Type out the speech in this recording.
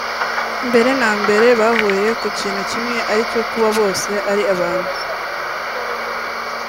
mbere na mbere bahuriye ku kintu kimwe aricyo kuba bose ari abantu